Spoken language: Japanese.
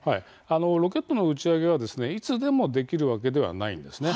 ロケットの打ち上げはいつでもできるわけではないんですね。